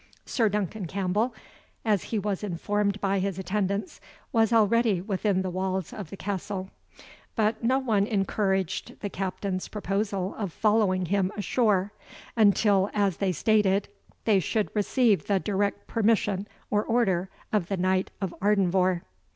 Sir Duncan Campbell, as he was informed by his attendants, was already within the walls of the castle; but no one encouraged the Captain's proposal of following him ashore, until, as they stated, they should receive the direct permission or order of the Knight of Ardenvohr.